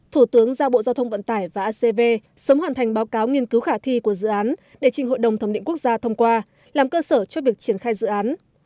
thủ tướng giao bộ giao thông vận tải và acv sớm hoàn thành báo cáo nghiên cứu khả thi của dự án để trình hội đồng thẩm định quốc gia thông qua làm cơ sở cho việc triển khai dự án